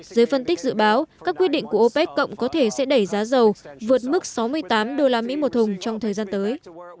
giới phân tích dự báo các quyết định của opec cộng có thể sẽ đẩy giá dầu vượt mức sáu mươi tám usd một thùng trong thời gian tới